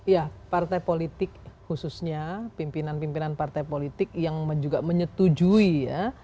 ya partai politik khususnya pimpinan pimpinan partai politik yang juga menyetujui ya